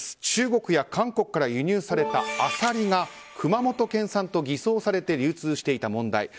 中国や韓国から輸入されたアサリが熊本県産と偽装されて流通していた問題。